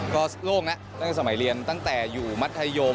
ก็โล่งแล้วตั้งแต่สมัยเรียนตั้งแต่อยู่มัธยม